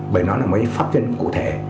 bởi nó là một pháp luật cụ thể